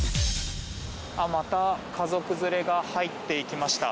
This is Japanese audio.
また家族連れが入っていきました。